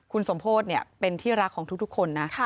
คุณสมโพธิเป็นที่รักของทุกคนนะ